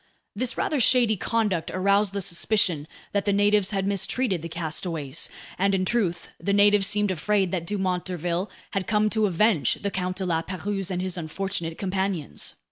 This rather shady conduct aroused the suspicion that the natives had mistreated the castaways; and in truth, the natives seemed afraid that Dumont d'Urville had come to avenge the Count de La Pérouse and his unfortunate companions.